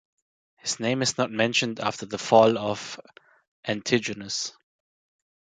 His name is not mentioned after the fall of Antigonus.